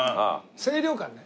清涼感ね。